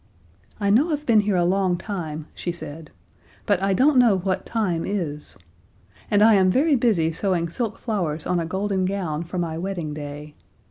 "I know I've been here a long time," she said, "but I don't know what Time is. And I am very busy sewing silk flowers on a golden gown for my wedding day.